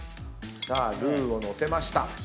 さあルーを載せました。